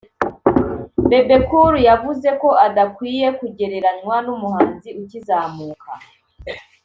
Bebe Cool yavuze ko adakwiye kugereranywa n’umuhanzi ukizamuka